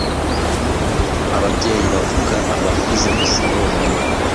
ABABYEYI BAVUGAAbakuze gusa bonyine